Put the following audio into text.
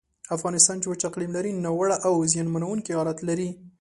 افغانستان چې وچ اقلیم لري، ناوړه او زیانمنونکی حالت لري.